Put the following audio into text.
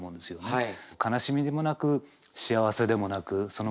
はい。